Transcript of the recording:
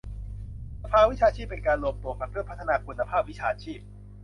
สภาวิชาชีพเป็นการรวมตัวกันเพื่อพัฒนาคุณภาพวิชาชีพ